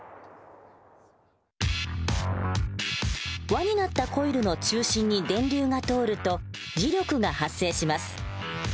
輪になったコイルの中心に電流が通ると磁力が発生します。